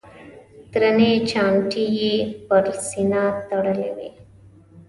درنې چانټې یې پر سینه تړلې وې.